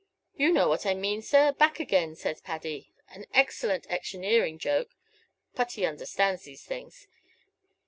you know what I mean, sir! 'Back again, says Paddy' an excellent electioneering joke. Putty understands these things.